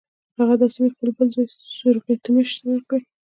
هغه دا سیمې خپل بل زوی سیورغتمش ته ورکړې.